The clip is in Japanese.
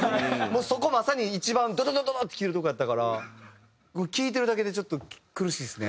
そこまさに一番ドドドドってきてるとこやったから聴いてるだけでちょっと苦しいですね。